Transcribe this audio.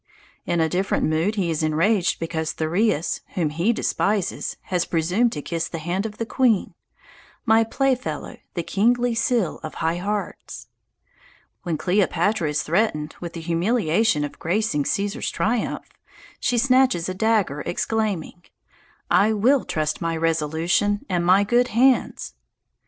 In a different mood he is enraged because Thyreus, whom he despises, has presumed to kiss the hand of the queen, "my playfellow, the kingly seal of high hearts." When Cleopatra is threatened with the humiliation of gracing Cæsar's triumph, she snatches a dagger, exclaiming, "I will trust my resolution and my good hands."